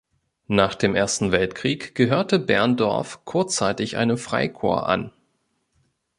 Nach dem Ersten Weltkrieg gehörte Berndorff kurzzeitig einem Freikorps an.